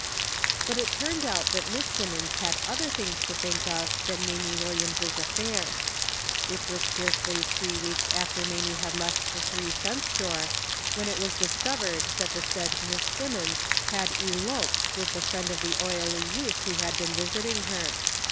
But it turned out that Miss Simmons had other things to think of than Mamie Williams' affairs. It was scarcely three weeks after Mamie had left the three cent store, when it was discovered that the said Miss Simmons had " eloped " with the friend of the oily youth who had been visiting her.